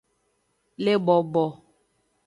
Le bobo.